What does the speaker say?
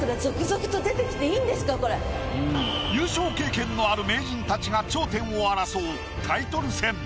優勝経験のある名人たちが頂点を争うタイトル戦。